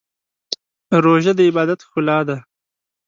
روژه د عبادت ښکلا ده.